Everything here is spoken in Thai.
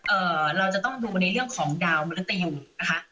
เอ่อเราจะต้องดูในเรื่องของดาวมนุษยูนะคะ